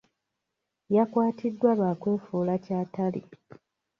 Yakwatiddwa lwa kwefuula ky'atali.